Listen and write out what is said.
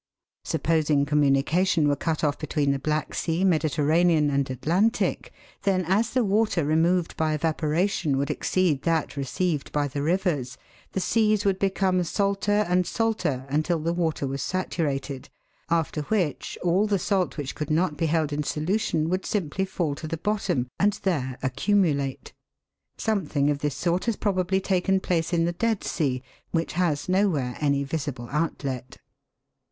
Supposing communication were cut off between the Black Sea, Mediterranean, and Atlantic, then as the water removed by evaporation would exceed that received by the rivers, the seas would become salter and salter until the water was saturated, after which all the salt which could not be held in solution would simply fall to the bottom and there accu mulate. Something of this sort has probably taken place in the Dead Sea, which has nowhere any visible outlet.